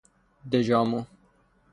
دژآمو